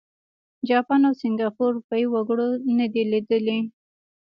جاپان او سینګاپور اروپايي وګړي نه دي لرلي.